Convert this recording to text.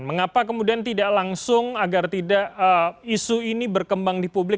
mengapa kemudian tidak langsung agar tidak isu ini berkembang di publik